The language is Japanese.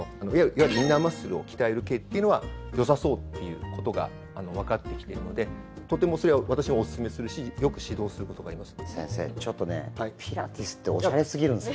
いわゆる、インナーマッスルを鍛える系っていうのはよさそうっていうことがわかってきているのでとてもそれは、私もおすすめするしよく指導することがあります。